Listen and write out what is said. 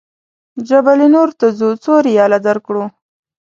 جبل نور ته ځو څو ریاله درکړو.